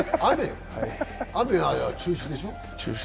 雨は中止でしょ？